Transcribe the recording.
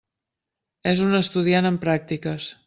És un estudiant en pràctiques.